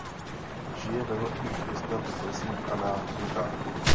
Žije ve vlhkých listnatých lesích a na lukách.